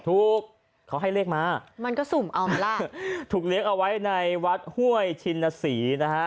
ถูกเขาให้เลขมามันก็สุ่มเอาไหมล่ะถูกเลี้ยงเอาไว้ในวัดห้วยชินศรีนะฮะ